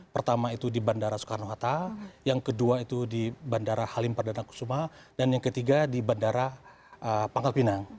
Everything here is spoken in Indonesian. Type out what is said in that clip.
pertama itu di bandara soekarno hatta yang kedua itu di bandara halim perdana kusuma dan yang ketiga di bandara pangkal pinang